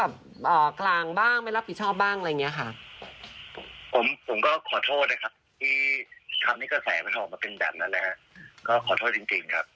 เป็นดาราแล้วแบบกลางบ้างไม่รับผิดชอบบ้างอะไรอย่างนี้ค่ะผมก็ขอโทษนะครับที่ทำให้กระแสไปออกมาเป็นดั่งนั้นนะคะ